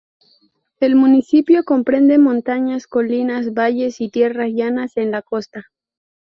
El municipio comprende montañas, colinas, valles y tierras llanas en la costa.